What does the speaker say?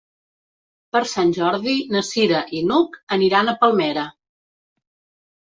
Per Sant Jordi na Cira i n'Hug aniran a Palmera.